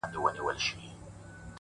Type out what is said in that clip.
• ما د قتل نوم دنيا ته دئ راوړى ,